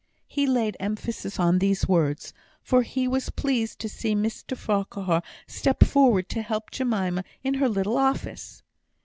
He laid emphasis on these words, for he was pleased to see Mr Farquhar step forward to help Jemima in her little office.